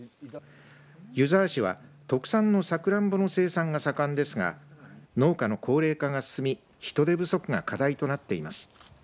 湯沢市は特産のさくらんぼの生産が盛んですが農家の高齢化が進み人手不足が課題となっています。